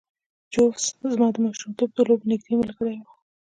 جوزف زما د ماشومتوب د لوبو نږدې ملګری و